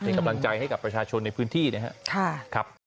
เป็นกำลังใจให้กับประชาชนในพื้นที่นะครับ